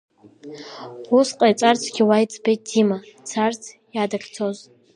Ус ҟаиҵарцгьы уа иӡбеит, Дима дцарц иа дахьцоз.